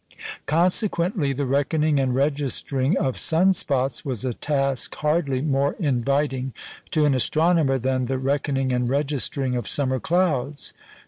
Consequently, the reckoning and registering of sun spots was a task hardly more inviting to an astronomer than the reckoning and registering of summer clouds.